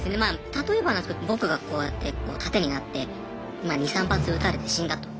例えばなんですけど僕がこうやってこう盾になってまあ２３発撃たれて死んだと。